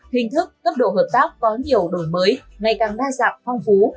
hình thức cấp độ hợp tác có nhiều đổi mới ngày càng đa dạng phong phú